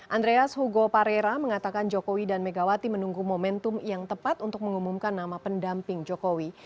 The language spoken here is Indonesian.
andreas hugo parera mengatakan jokowi dan megawati menunggu momentum yang tepat untuk mengumumkan nama pendamping jokowi